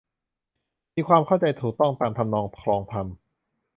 มีความเข้าใจถูกต้องตามทำนองคลองธรรม